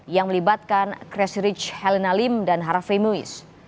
yang melibatkan kresirich helena lim dan harvey moise